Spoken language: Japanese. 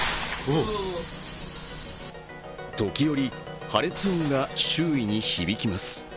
時折、破裂音が周囲に響きます。